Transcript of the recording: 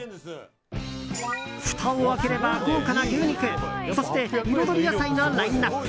ふたを開ければ豪華な牛肉そして彩り野菜のラインアップ。